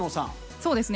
そうですね。